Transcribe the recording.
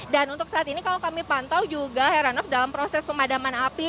dan untuk saat ini kalau kami pantau juga heran dalam proses pemadaman api